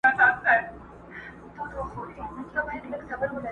څپلۍ د اوسپني په پښو کړو پېشوا ولټوو،